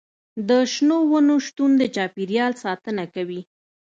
د شنو ونو شتون د چاپیریال ساتنه کوي.